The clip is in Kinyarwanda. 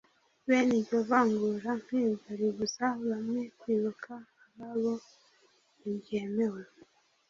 Bene iryo vangura nk'iryo ribuza bamwe kwibuka ababo ntiryemewe